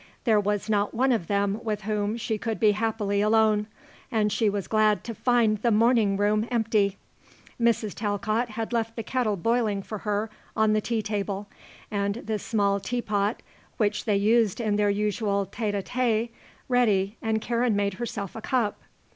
There was not one of them with whom she could be happily alone, and she was glad to find the morning room empty. Mrs. Talcott had left the kettle boiling for her on the tea table and the small tea pot, which they used in their usual tête à tête, ready, and Karen made herself a cup.